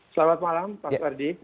selamat malam pak ferdi